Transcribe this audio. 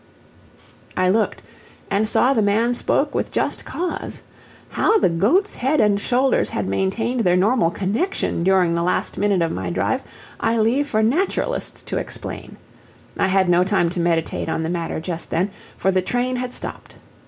I looked, and saw the man spoke with just cause. How the goat's head and shoulders had maintained their normal connection during the last minute of my drive, I leave for naturalists to explain. I had no time to meditate on the matter just then, for the train had stopped.